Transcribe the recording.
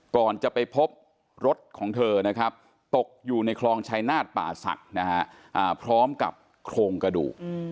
ก่อนจะไปพบรถของเธอนะครับตกอยู่ในคลองชายนาฏป่าศักดิ์นะฮะพร้อมกับโครงกระดูก